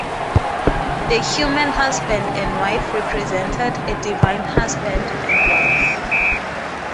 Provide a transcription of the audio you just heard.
The human husband and wife represented a divine husband and wife.